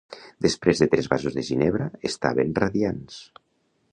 Després de tres vasos de ginebra estaven radiants.